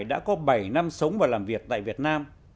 người nước ngoài đã có bảy năm sống và làm việc tại việt nam